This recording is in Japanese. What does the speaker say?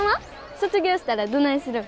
卒業したらどないするん？